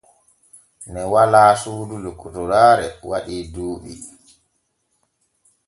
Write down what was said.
Ne walaa suudu lokotoraare waɗii duuɓi.